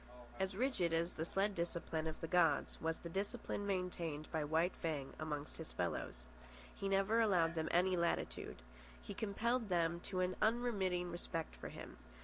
As rigid as the sled discipline of the gods, was the discipline maintained by White Fang amongst his fellows. He never allowed them any latitude. He compelled them to an unremitting respect for him.